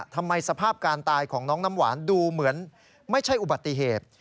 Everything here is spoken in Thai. สภาพการตายของน้องน้ำหวานดูเหมือนไม่ใช่อุบัติเหตุ